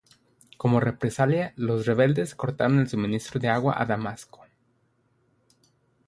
Como represalia, los rebeldes cortaron el suministro de agua a Damasco.